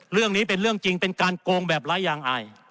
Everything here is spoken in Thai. เรื่องนี้เป็นเรื่องจริงเป็นการโกงแบบไร้ยางอาย